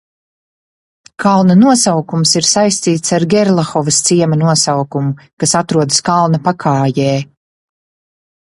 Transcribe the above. Kalna nosaukums ir saistīts ar Gerlahovas ciema nosaukumu, kas atrodas kalna pakājē.